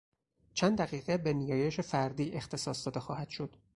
چند دقیقه به نیایش فردی اختصاص داده خواهد شد.